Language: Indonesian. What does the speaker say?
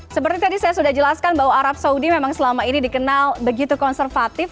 seperti tadi saya sudah jelaskan bahwa arab saudi memang selama ini dikenal begitu konservatif